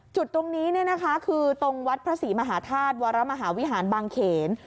จุดตรงนี้คือตรงวัดพระศรีมหาธาตุวรมหาวิหารบางเขน